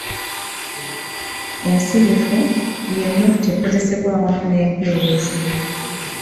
‘Ensirifu y'ennukuta ekozesebwa awamu n'empeerezi.